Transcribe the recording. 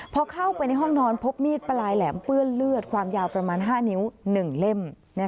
พอเข้าไปในห้องนอนพบมีดปลายแหลมเปื้อนเลือดความยาวประมาณ๕นิ้ว๑เล่ม